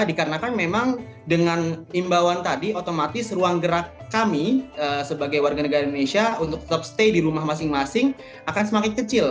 dikarenakan memang dengan imbauan tadi otomatis ruang gerak kami sebagai warga negara indonesia untuk tetap stay di rumah masing masing akan semakin kecil